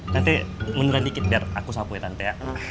tante meneran dikit biar aku sapu ya tante